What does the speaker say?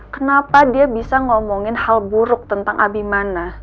kenapa dia bisa ngomongin hal buruk tentang abimana